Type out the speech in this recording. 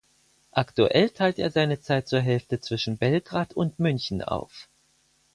Aktuell teilt er seine Zeit zur Hälfte zwischen Belgrad und München auf.